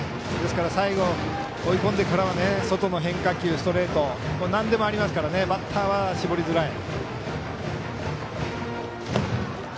最後、追い込んでからは外の変化球、ストレートなんでもありますからバッターは絞りづらい。